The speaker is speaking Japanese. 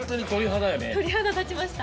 鳥肌立ちました。